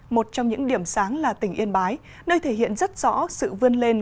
một trong những điểm sáng là tỉnh yên bái nơi thể hiện rất rõ sự vươn lên